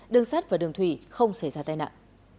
đường sắt và đường thủy không xảy ra tai nạn